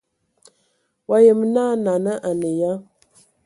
Wa yəm na nana a nə ya?